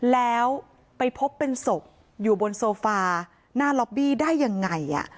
แล้วไปพบเป็นศพอยู่บนโซฟาหน้าล็อบบี้ได้ยังไง